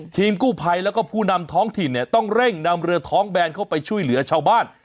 ทีมกู้ภัยแล้วก็ผู้นำท้องถิ่นเนี่ยต้องเร่งนำเรือท้องแบนเข้าไปช่วยเหลือชาวบ้าน